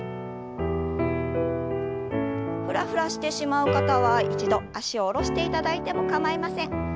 フラフラしてしまう方は一度脚を下ろしていただいても構いません。